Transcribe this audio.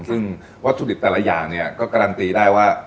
ซึ่งวัตถุดิบแต่ละอย่างเนี่ยก็การันตีได้ว่า